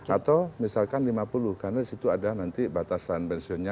atau misalkan lima puluh karena di situ ada nanti batasan pensiunnya